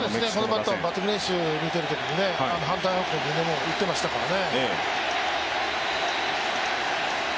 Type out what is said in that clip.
このバッターはバッティング練習見ていても反対方向にも打っていましたからね。